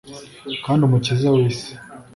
kandi Umukiza w’isi